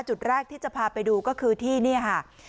จุดแรกที่จะพาไปดูก็คือที่นี่ค่ะ